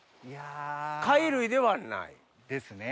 貝類ではない？ですね。